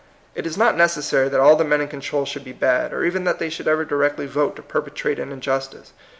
It is not necessary that all the men in control should be bad, or even that they should ever directly vote to perpetrate an injustice.